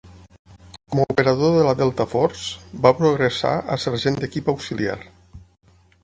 Com a operador de la Delta Force, va progressar a sergent d'equip auxiliar.